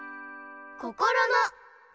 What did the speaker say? こころの「こ」！